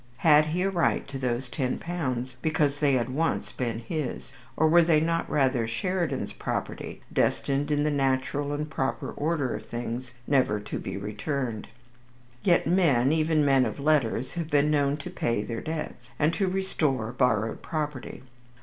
Had he a right to those ten pounds because they had once been his, or were they not rather Sheridan's property, destined in the natural and proper order of things never to be returned. Yet men, even men of letters, have been known to pay their debts, and to restore borrowed property.